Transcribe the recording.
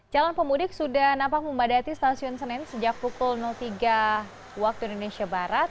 calon pemudik sudah nampak membadati stasiun senen sejak pukul tiga waktu indonesia barat